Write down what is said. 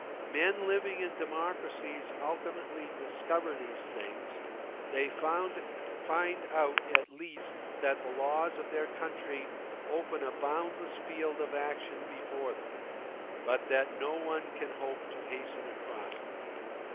Men living in democracies ultimately discover these things; they find out at last that the laws of their country open a boundless field of action before them, but that no one can hope to hasten across it.